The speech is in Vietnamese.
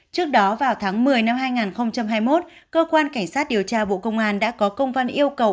trước đó vào tháng một mươi năm hai nghìn hai mươi một cơ quan cảnh sát điều tra bộ công an đã có công văn yêu cầu